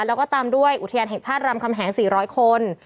แล้วก็ตามด้วยอุทยานแห่งชาติรำคำแหง๔๐๐คน